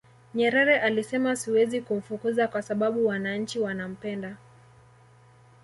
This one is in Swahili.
nyerere alisema siwezi kumfukuza kwa sababu wananchi wanampenda